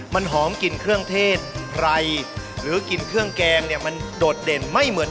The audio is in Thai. มันหอมกลิ่นเครื่องเทศไพรหรือกินเครื่องแกงเนี่ยมันโดดเด่นไม่เหมือน